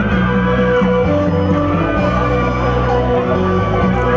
สวัสดีสวัสดี